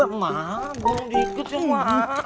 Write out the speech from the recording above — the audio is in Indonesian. emang belum diikut semua